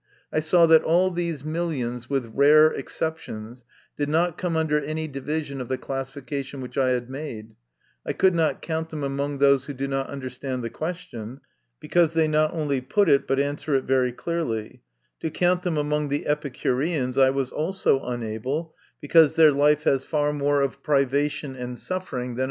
I saw that all these millions, with rare exceptions, did not come under any division of the classi fication which I had made ; I could not count them among those who do not understand the question, because they not only put it but answer it very clearly ; to count them among the Epicureans I was also unable, because their life has far more of privation and suffering than MY CONFESSION.